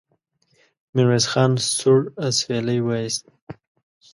ميرويس خان سوړ اسويلی وايست.